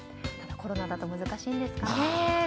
ただ、コロナだと難しいんですかね。